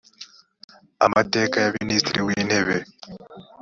amateka ya minisitiri w’intebe